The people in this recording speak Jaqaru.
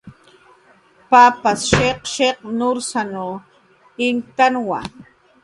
Papas shiq'shiq' nursanw may kayn kamacht'isn imurktna.